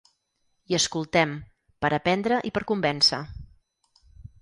I escoltem, per aprendre i per convèncer.